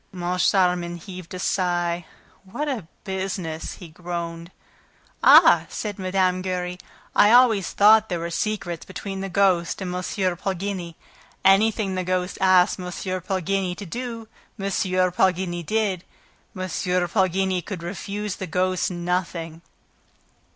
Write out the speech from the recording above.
Moncharmin heaved a sigh. "What a business!" he groaned. "Ah!" said Mme. Giry. "I always thought there were secrets between the ghost and M. Poligny. Anything that the ghost asked M. Poligny to do M. Poligny did. M. Poligny could refuse the ghost nothing."